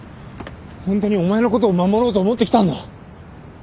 ホントにお前のことを守ろうと思ってきたんだ。